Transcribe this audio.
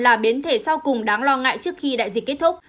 là biến thể sau cùng đáng lo ngại trước khi đại dịch kết thúc